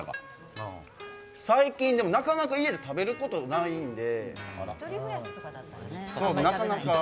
なかなか家で食べることがないので。